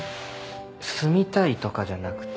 住みたいとかじゃなくて。